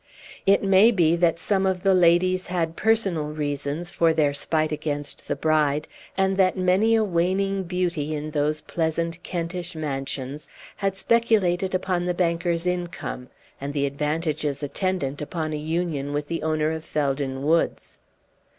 It may be that some of the ladies had personal reasons for their spite against the bride, and that many a waning beauty, in those pleasant Kentish mansions, had speculated upon the banker's income, and the advantages attendant upon a union with the owner of Felden Woods.